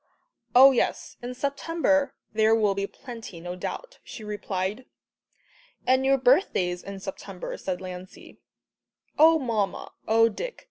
"Oh, yes, in September there will be plenty, no doubt," she replied. "And your birthday's in September," said Lancey. "Oh, Mamma, oh, Dick!"